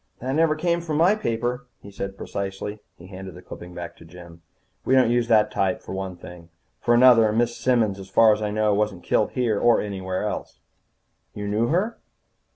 "That never came from my paper," he said precisely. He handed the clipping back to Jim. "We don't use that type, for one thing. For another, Miss Simmons, so far as I know, wasn't killed here or anywhere else." "You knew her?"